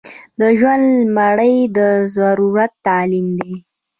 د ژوند لمړنۍ ضرورت تعلیم دی